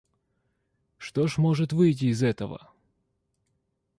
Что ж может выйти из этого?